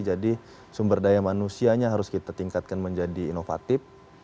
jadi sumber daya manusianya harus kita tingkatkan menjadi inovatif